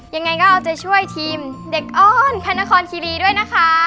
เจ้าจะช่วยทีมเด็กอ้อนแพนาคอลคิรีด้วยนะคะ